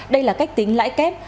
đây là cách tính lãi kép